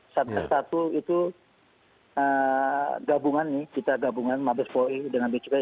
satu satu itu gabungan mabes pori dengan b cukai